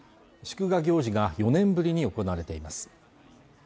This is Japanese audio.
祝賀行事が４年ぶりに行われています